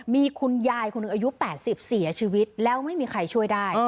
มีคุณยายคนหนึ่งอายุ๘๐เสียชีวิตแล้วไม่มีใครช่วยได้